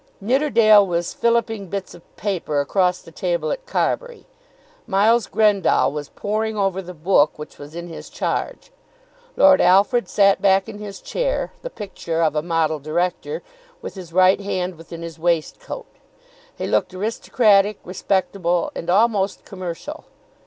Nidderdale was filliping bits of paper across the table at Carbury. Miles Grendall was poring over the book which was in his charge. Lord Alfred sat back in his chair, the picture of a model director, with his right hand within his waistcoat. He looked aristocratic, respectable, and almost commercial.